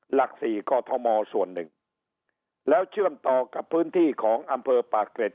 หลักสี่กอทมส่วนหนึ่งแล้วเชื่อมต่อกับพื้นที่ของอำเภอปากเกร็ด